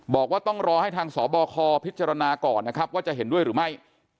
บอกว่าต้องรอให้ทางสบคพิจารณาก่อนนะครับว่าจะเห็นด้วยหรือไม่